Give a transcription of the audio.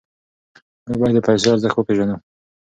موږ باید د پیسو ارزښت وپېژنو.